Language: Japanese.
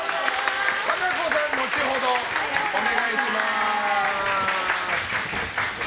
和歌子さん、後ほどお願いします。